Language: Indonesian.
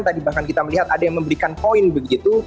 tadi bahkan kita melihat ada yang memberikan poin begitu